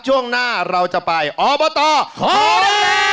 ช่วงหน้าเราจะไปอบตโฮเล่น